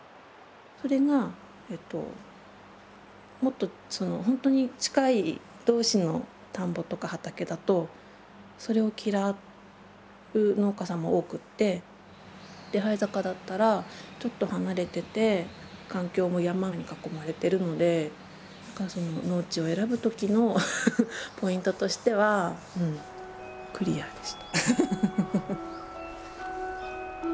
それがもっとほんとに近い同士の田んぼとか畑だとそれを嫌う農家さんも多くって手這坂だったらちょっと離れてて環境も山に囲まれてるので農地を選ぶときのポイントとしてはクリアでした。